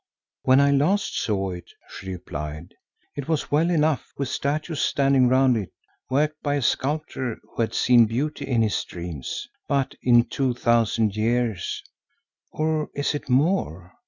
"When I last saw it," she replied, "it was well enough with statues standing round it worked by a sculptor who had seen beauty in his dreams. But in two thousand years—or is it more?